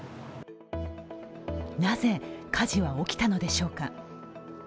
なぜ火事は起きたのでしょうか。